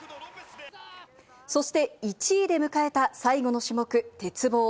そして、１位で迎えた最後の種目・鉄棒。